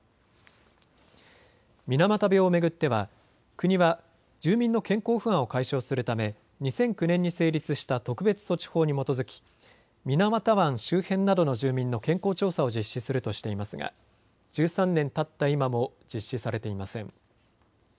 水俣病を巡っては国は住民の健康不安を解消するため２００９年に成立した特別措置法に基づき水俣湾周辺などの住民の健康調査を実施するとしていますが、１３年たった今も実施されていません。